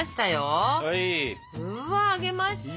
うわ揚げましたね。